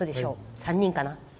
３人かな？